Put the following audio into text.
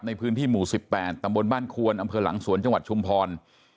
ในพื้นที่หมู่๑๘ตำบลบ้านควนอำเภอหลังสวนจังหวัดชุมพร